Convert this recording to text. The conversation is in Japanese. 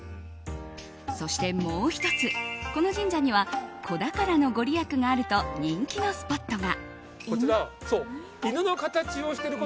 そして、もう１つこの神社には子宝のご利益があると人気のスポットが。